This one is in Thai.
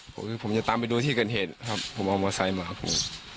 ผมก็คือผมจะตามไปดูที่เกิดเหตุครับผมเอามาไซด์มาครับผม